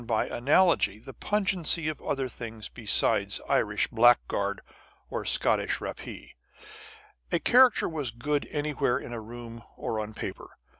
47 by analogy, the pungency of other things besides Irish blackguard or Scotch rappee. A character was good anywhere, in a room or on paper.